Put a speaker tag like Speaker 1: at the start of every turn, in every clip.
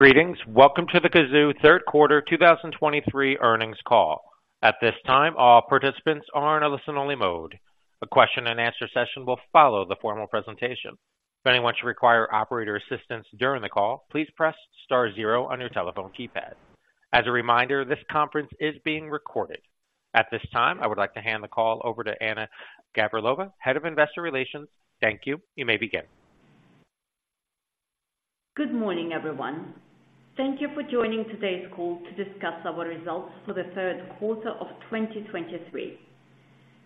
Speaker 1: Greetings. Welcome to the Cazoo Third Quarter 2023 Earnings Call. At this time, all participants are in a listen-only mode. A question and answer session will follow the formal presentation. If anyone should require operator assistance during the call, please press star zero on your telephone keypad. As a reminder, this conference is being recorded. At this time, I would like to hand the call over to Anna Gavrilova, Head of Investor Relations. Thank you. You may begin.
Speaker 2: Good morning, everyone. Thank you for joining today's call to discuss our results for the third quarter of 2023.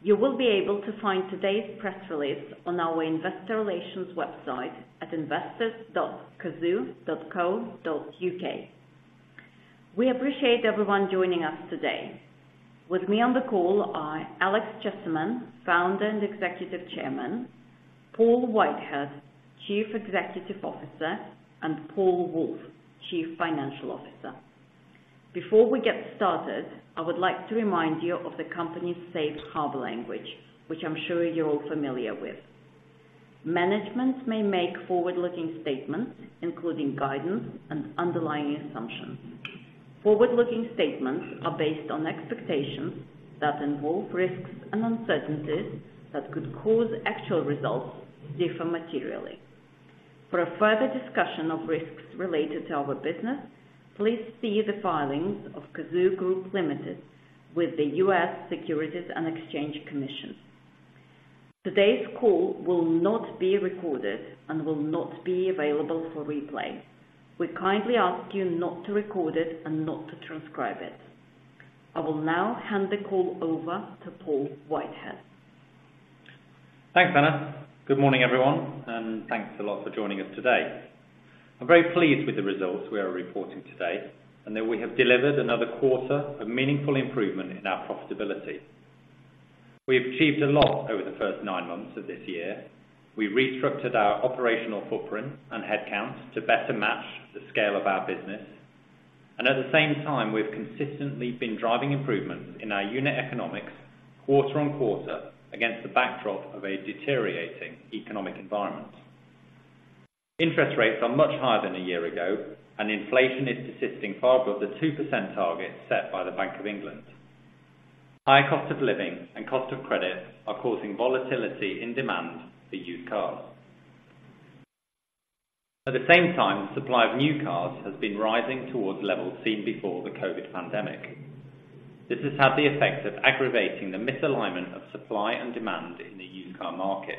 Speaker 2: You will be able to find today's press release on our investor relations website at investors.cazoo.co.uk. We appreciate everyone joining us today. With me on the call are Alex Chesterman, Founder and Executive Chairman, Paul Whitehead, Chief Executive Officer, and Paul Woolf, Chief Financial Officer. Before we get started, I would like to remind you of the company's safe harbor language, which I'm sure you're all familiar with. Management may make forward-looking statements, including guidance and underlying assumptions. Forward-looking statements are based on expectations that involve risks and uncertainties that could cause actual results to differ materially. For a further discussion of risks related to our business, please see the filings of Cazoo Group Limited with the U.S. Securities and Exchange Commission. Today's call will not be recorded and will not be available for replay. We kindly ask you not to record it and not to transcribe it. I will now hand the call over to Paul Whitehead.
Speaker 3: Thanks, Anna. Good morning, everyone, and thanks a lot for joining us today. I'm very pleased with the results we are reporting today, and that we have delivered another quarter of meaningful improvement in our profitability. We have achieved a lot over the first nine months of this year. We restructured our operational footprint and headcounts to better match the scale of our business. At the same time, we've consistently been driving improvements in our unit economics quarter-over-quarter against the backdrop of a deteriorating economic environment. Interest rates are much higher than a year ago, and inflation is persisting far above the 2% target set by the Bank of England. High cost of living and cost of credit are causing volatility in demand for used cars. At the same time, the supply of new cars has been rising towards levels seen before the COVID pandemic. This has had the effect of aggravating the misalignment of supply and demand in the used car market,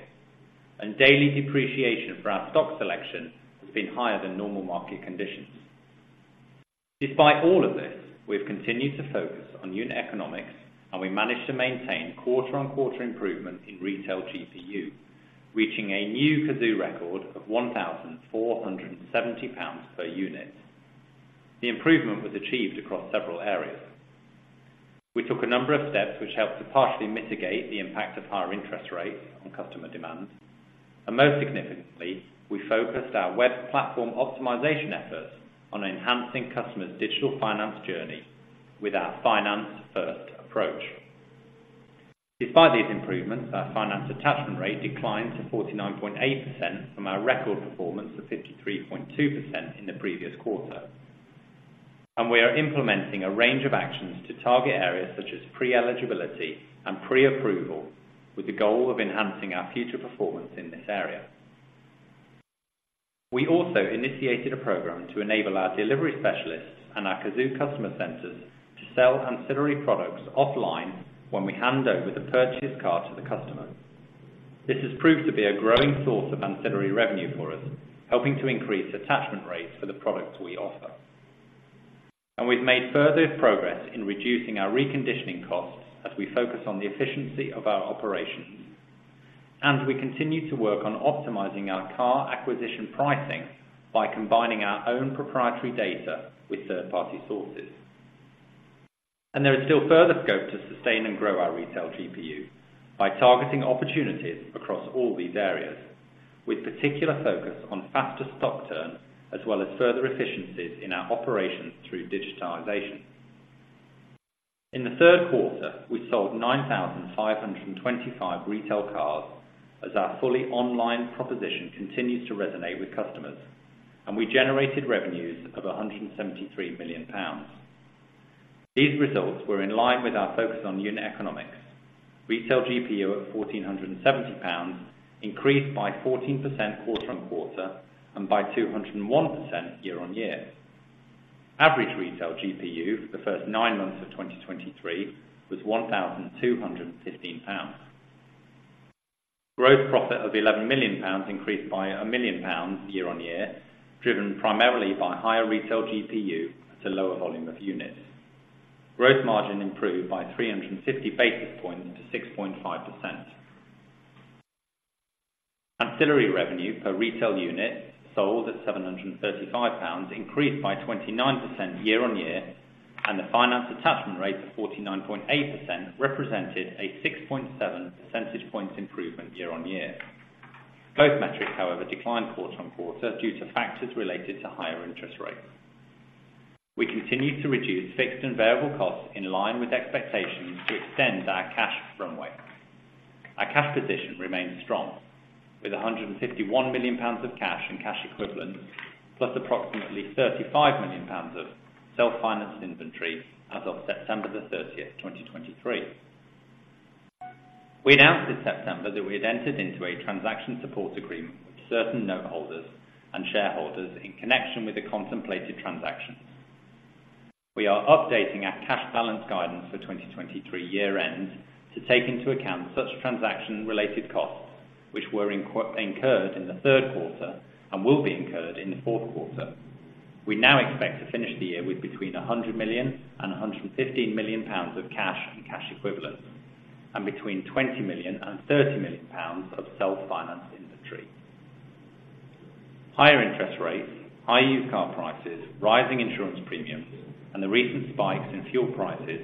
Speaker 3: and daily depreciation for our stock selection has been higher than normal market conditions. Despite all of this, we've continued to focus on unit economics, and we managed to maintain quarter-on-quarter improvement in retail GPU, reaching a new Cazoo record of 1,470 pounds per unit. The improvement was achieved across several areas. We took a number of steps which helped to partially mitigate the impact of higher interest rates on customer demand. Most significantly, we focused our web platform optimization efforts on enhancing customers' digital finance journey with our finance-first approach. Despite these improvements, our finance attachment rate declined to 49.8% from our record performance of 53.2% in the previous quarter. And we are implementing a range of actions to target areas such as pre-eligibility and pre-approval, with the goal of enhancing our future performance in this area. We also initiated a program to enable our delivery specialists and our Cazoo Customer Centers to sell ancillary products offline when we hand over the purchased car to the customer. This has proved to be a growing source of ancillary revenue for us, helping to increase attachment rates for the products we offer. We've made further progress in reducing our reconditioning costs as we focus on the efficiency of our operations. We continue to work on optimizing our car acquisition pricing by combining our own proprietary data with third-party sources. There is still further scope to sustain and grow our retail GPU by targeting opportunities across all these areas, with particular focus on faster stock turn, as well as further efficiencies in our operations through digitization. In the third quarter, we sold 9,525 retail cars, as our fully online proposition continues to resonate with customers, and we generated revenues of 173 million pounds. These results were in line with our focus on unit economics. Retail GPU of 1,470 pounds increased by 14% quarter-on-quarter and by 201% year-on-year. Average retail GPU for the first nine months of 2023 was 1,215 pounds. Gross profit of 11 million pounds increased by 1 million pounds year-on-year, driven primarily by higher retail GPU to lower volume of units. Gross margin improved by 350 basis points to 6.5%. Ancillary revenue per retail unit sold at 735 pounds, increased by 29% year-on-year, and the finance attachment rate of 49.8% represented a 6.7 percentage points improvement year-on-year. Both metrics, however, declined quarter-on-quarter due to factors related to higher interest rates. We continued to reduce fixed and variable costs in line with expectations to extend our cash runway. Our cash position remains strong, with 151 million pounds of cash and cash equivalents, plus approximately 35 million pounds of self-financed inventory as of September 30, 2023. We announced in September that we had entered into a Transaction Support Agreement with certain noteholders and shareholders in connection with the contemplated transaction. We are updating our cash balance guidance for 2023 year-end, to take into account such transaction-related costs, which were incurred in the third quarter and will be incurred in the fourth quarter. We now expect to finish the year with between 100 million and 115 million pounds of cash and cash equivalents, and between 20 million and 30 million pounds of self-financed inventory. Higher interest rates, high used car prices, rising insurance premiums, and the recent spikes in fuel prices,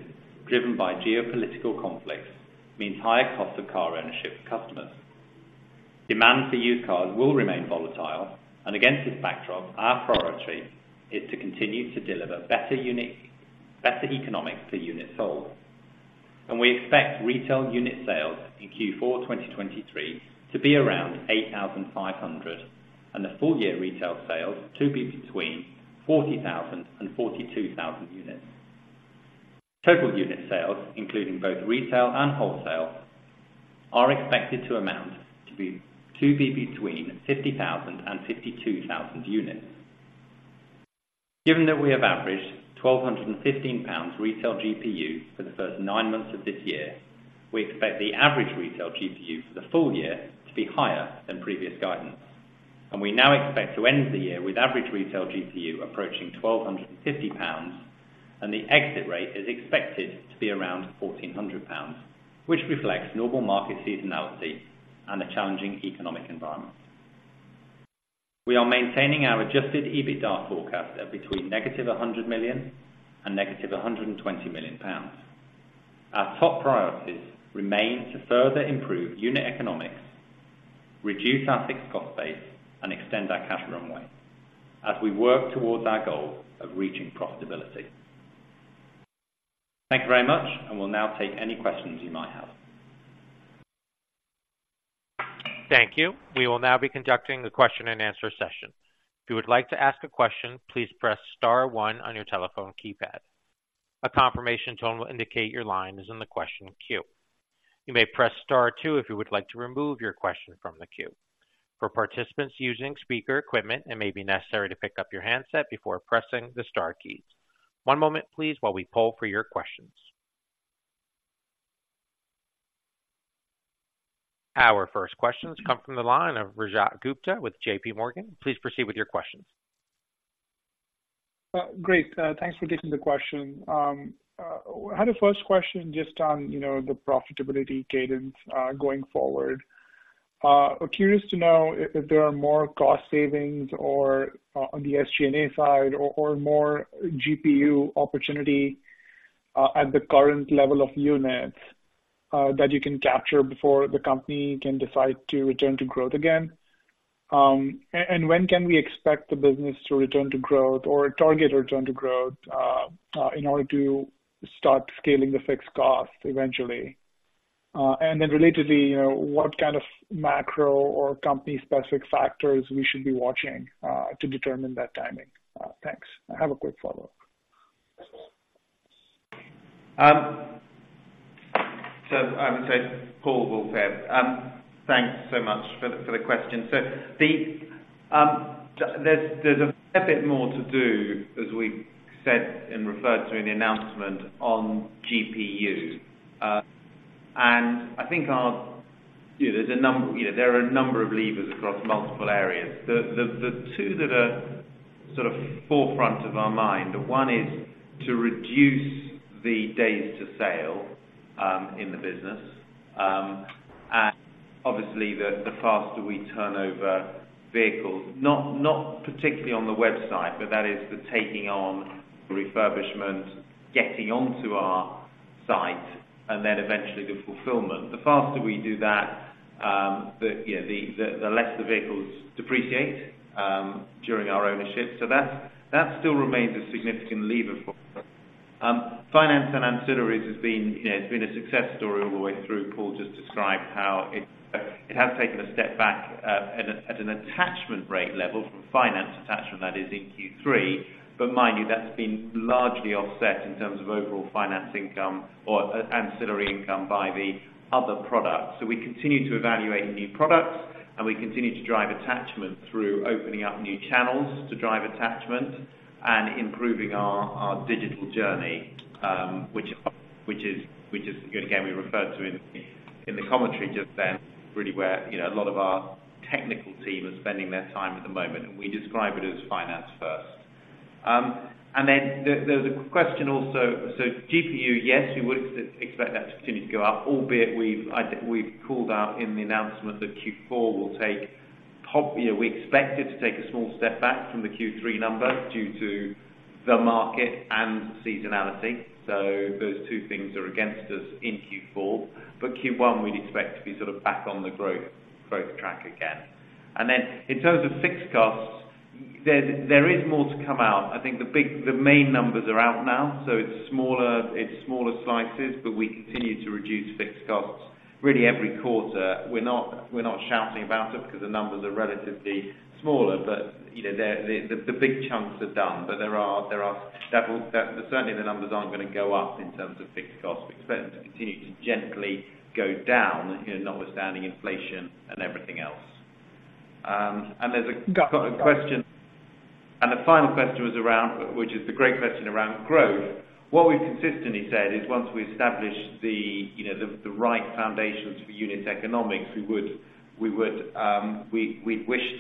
Speaker 3: driven by geopolitical conflicts, means higher cost of car ownership for customers. Demand for used cars will remain volatile, and against this backdrop, our priority is to continue to deliver better unit, better economics per unit sold. We expect retail unit sales in Q4 2023 to be around 8,500, and the full year retail sales to be between 40,000 and 42,000 units. Total unit sales, including both retail and wholesale, are expected to be between 50,000 and 52,000 units. Given that we have averaged 1,215 pounds retail GPU for the first nine months of this year, we expect the average retail GPU for the full year to be higher than previous guidance. We now expect to end the year with average retail GPU approaching 1,250 pounds, and the exit rate is expected to be around 1,400 pounds, which reflects normal market seasonality and a challenging economic environment. We are maintaining our Adjusted EBITDA forecast at between -100 million and -120 million pounds. Our top priorities remain to further improve unit economics, reduce our fixed cost base, and extend our cash runway, as we work towards our goal of reaching profitability. Thank you very much, and we'll now take any questions you might have.
Speaker 1: Thank you. We will now be conducting the question and answer session. If you would like to ask a question, please press star one on your telephone keypad. A confirmation tone will indicate your line is in the question queue. You may press star two if you would like to remove your question from the queue. For participants using speaker equipment, it may be necessary to pick up your handset before pressing the star keys. One moment, please, while we poll for your questions. Our first questions come from the line of Rajat Gupta with JPMorgan. Please proceed with your questions.
Speaker 4: Great. Thanks for taking the question. I had a first question just on, you know, the profitability cadence, going forward. I'm curious to know if, if there are more cost savings or, on the SG&A side or, or more GPU opportunity, at the current level of units, that you can capture before the company can decide to return to growth again? And, and when can we expect the business to return to growth or target return to growth, in order to start scaling the fixed cost eventually? And then relatedly, you know, what kind of macro or company specific factors we should be watching, to determine that timing? Thanks. I have a quick follow-up.
Speaker 5: So I would say- Paul Woolf here. Thanks so much for the question. So there's a fair bit more to do, as we said and referred to in the announcement on GPU. And I think our- you know, there are a number of levers across multiple areas. The two that are sort of forefront of our mind, one is to reduce the days to sale in the business. And obviously, the faster we turn over vehicles, not particularly on the website, but that is the taking on refurbishment, getting onto our site, and then eventually the fulfillment. The faster we do that, you know, the less the vehicles depreciate during our ownership. So that still remains a significant lever for us. Finance and ancillaries has been, you know, it's been a success story all the way through. Paul just described how it has taken a step back at an attachment rate level, finance attachment that is in Q3. But mind you, that's been largely offset in terms of overall finance income or ancillary income by the other products. So we continue to evaluate new products, and we continue to drive attachment through opening up new channels to drive attachment and improving our digital journey, which is, again, we referred to in the commentary just then, really where, you know, a lot of our technical team are spending their time at the moment, and we describe it as finance first. And then there was a question also, so GPU, yes, we would expect that to continue to go up, albeit we've, I think, we've called out in the announcement that Q4 will take a small step back from the Q3 number due to the market and seasonality. You know, we expect it to take a small step back from the Q3 number due to the market and seasonality. So those two things are against us in Q4, but Q1, we'd expect to be sort of back on the growth track again. And then in terms of fixed costs. There is more to come out. I think the main numbers are out now, so it's smaller slices, but we continue to reduce fixed costs really every quarter. We're not shouting about it because the numbers are relatively smaller. But, you know, the big chunks are done, but there are several—certainly, the numbers aren't going to go up in terms of fixed costs. We expect them to continue to gently go down, you know, notwithstanding inflation and everything else. And there's a question—and the final question was around, which is the great question around growth. What we've consistently said is once we establish the, you know, the right foundations for unit economics, we would wish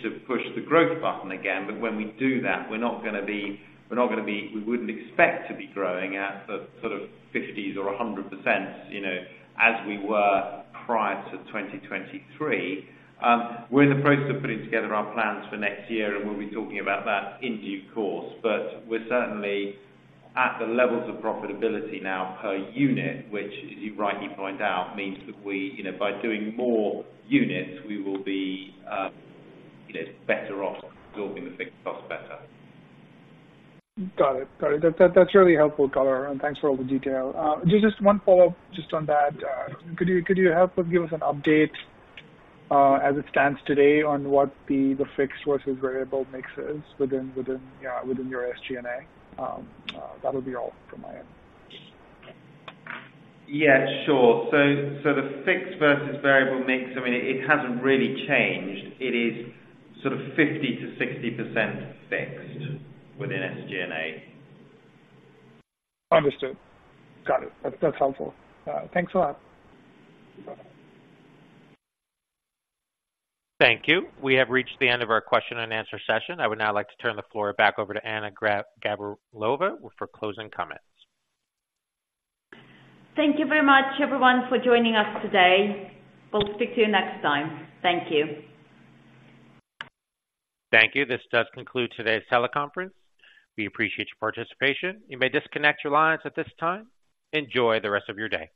Speaker 5: to push the growth button again, but when we do that, we're not gonna be—we wouldn't expect to be growing at the sort of 50s or 100%, you know, as we were prior to 2023. We're in the process of putting together our plans for next year, and we'll be talking about that in due course. But we're certainly at the levels of profitability now per unit, which, as you rightly point out, means that we, you know, by doing more units, we will be, you know, better off absorbing the fixed costs better.
Speaker 4: Got it. Got it. That, that's really helpful color, and thanks for all the detail. Just, just one follow-up, just on that. Could you, could you help give us an update, as it stands today on what the, the fixed versus variable mix is within, within, within your SG&A? That'll be all from my end.
Speaker 5: Yeah, sure. So, the fixed versus variable mix, I mean, it hasn't really changed. It is sort of 50%-60% fixed within SG&A.
Speaker 4: Understood. Got it. That's helpful. Thanks a lot.
Speaker 1: Thank you. We have reached the end of our question-and-answer session. I would now like to turn the floor back over to Anna Gavrilova for closing comments.
Speaker 2: Thank you very much, everyone, for joining us today. We'll speak to you next time. Thank you.
Speaker 1: Thank you. This does conclude today's teleconference. We appreciate your participation. You may disconnect your lines at this time. Enjoy the rest of your day.